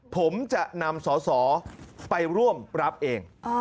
ผมจะนำสอสอไปร่วมรับเอง